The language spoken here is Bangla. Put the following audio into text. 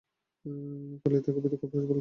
খালিদ তাকে ভীতু-কাপুরুষ বলতেন।